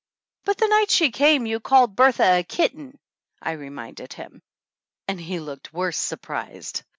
"But the night she came you called Bertha a kitten!" I reminded him, and he looked worse surprised.